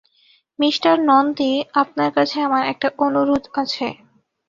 Mister Nandi, আপনার কাছে আমার একটা অনুরোধ আছে।